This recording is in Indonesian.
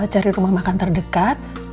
cari rumah makan terdekat